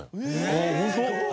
あっホント？